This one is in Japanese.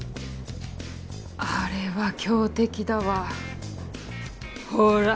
あれは強敵だわほら